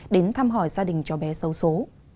đến thăm hỏi gia đình cho bé sâu số